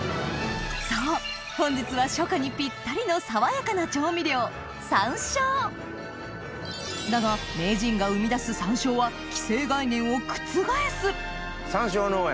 そう本日は初夏にピッタリの爽やかな調味料だが名人が生み出す山椒は既成概念を覆す山椒農園